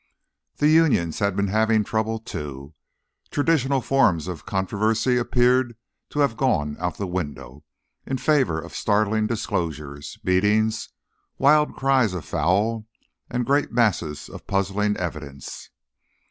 The unions had been having trouble, too. Traditional forms of controversy appeared to have gone out the window, in favor of startling disclosures, beatings, wild cries of foul and great masses of puzzling evidence.